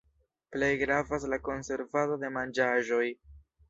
Plej gravas la konservado de manĝaĵoj.